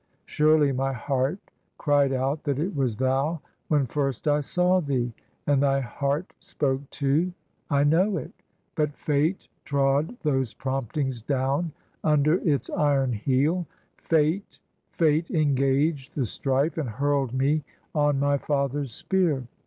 Surely my heart cried out that it was thou, When first I saw thee; and thy heart spoke too, I know it: but fate trod those promptings down Under its iron heel ; fate, fate engag'd The strife, and hurl'd me on my father's spear.